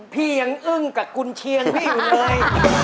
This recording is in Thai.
พี่ยังอึ้งกับกุญเชียงพี่อยู่เลย